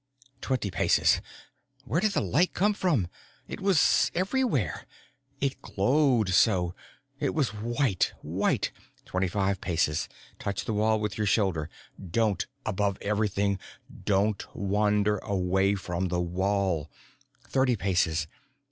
Twenty paces. Where did the light come from? It was everywhere; it glowed so; it was white, white. _Twenty five paces. Touch the wall with your shoulder. Don't above everything don't wander away from the wall. Thirty paces.